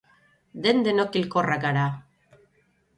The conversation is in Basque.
Den-denok hilkorrak gara.